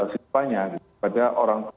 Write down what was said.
siswanya pada orang